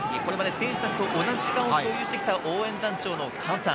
選手たちと同じ時間を共有してきた応援団長のかんさん。